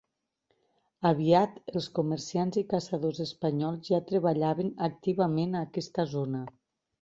Aviat, els comerciants i caçadors espanyols ja treballaven activament a aquesta zona.